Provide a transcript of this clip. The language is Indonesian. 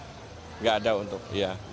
enggak ada untuk ya